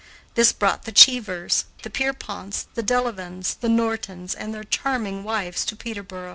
This brought the Cheevers, the Pierponts, the Delevans, the Nortons, and their charming wives to Peterboro.